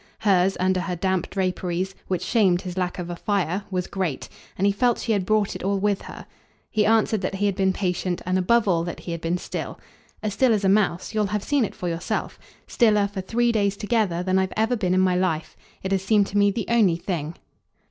Hers, under her damp draperies, which shamed his lack of a fire, was great, and he felt she had brought it all with her. He answered that he had been patient and above all that he had been still. "As still as a mouse you'll have seen it for yourself. Stiller, for three days together, than I've ever been in my life. It has seemed to me the only thing."